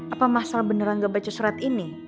apa masalah beneran gak baca surat ini